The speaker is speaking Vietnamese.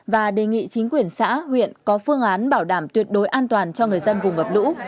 và đề nghị chính quyền xã huyện có phương án bảo đảm tuyệt đối an toàn cho người dân vùng ngập lũ